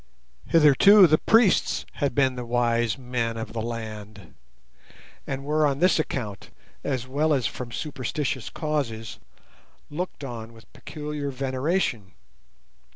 Hitherto, the priests had been the wise men of the land, and were on this account, as well as from superstitious causes, looked on with peculiar veneration.